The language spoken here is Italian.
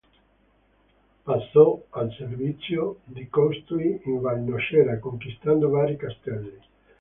Passò al servizio di costui in Val Nocera, conquistando vari castelli.